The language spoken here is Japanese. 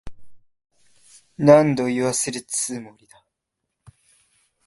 何度言わせるつもりだ。